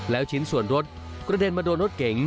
แล้วชิ้นส่วนรถกระเด็นมาโดนรถเก๋ง